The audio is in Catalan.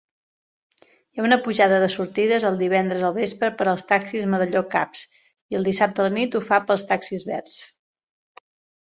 Hi ha un pujada de sortides el divendres al vespre per als taxis medalló cabs i el dissabte a la nit ho fa pels taxis verds.